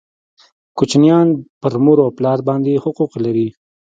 کوچنیان پر مور او پلار باندي حقوق لري